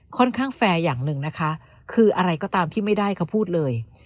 แฟร์อย่างหนึ่งนะคะคืออะไรก็ตามที่ไม่ได้เขาพูดเลย